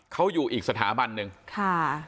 เขาอยู่อีกสถาบันหนึ่งค่ะ